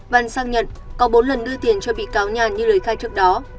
văn sang nhận có bốn lần đưa tiền cho bị cáo nhàn như lời khai trước đó